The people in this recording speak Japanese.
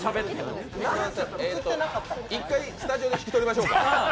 一回スタジオで引き取りましょうか。